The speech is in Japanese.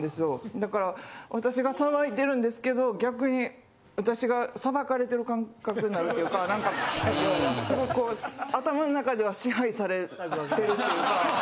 だから私がさばいてるんですけど逆に私がさばかれてる感覚になるというか何かすごくこう頭の中では支配されてるっていうか。